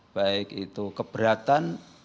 baik itu keberatan